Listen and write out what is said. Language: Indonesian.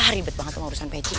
ribet banget tuh urusan peci